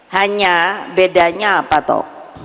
hanya bedanya apa tok